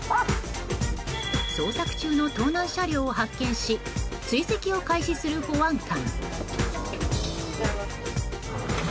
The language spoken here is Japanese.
捜索中の盗難車両を発見し追跡を開始する保安官。